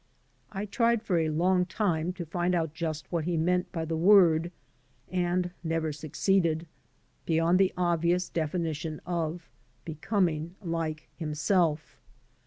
I tried for a long time to find out just what he meant by the word, and never succeeded — ^beyond the obvious definition of becoming like himself.